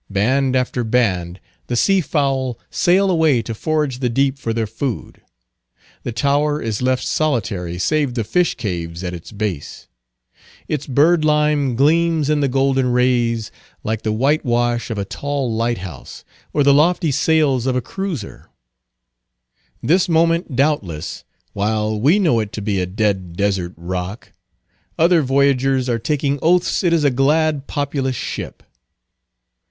Band after band, the sea fowl sail away to forage the deep for their food. The tower is left solitary save the fish caves at its base. Its birdlime gleams in the golden rays like the whitewash of a tall light house, or the lofty sails of a cruiser. This moment, doubtless, while we know it to be a dead desert rock other voyagers are taking oaths it is a glad populous ship.